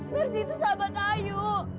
mersih tuh sahabat ayu